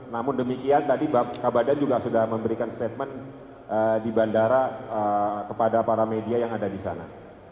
namun demikian tadi kabadan juga sudah memberikan statement di bandara kepada para media yang ada di sana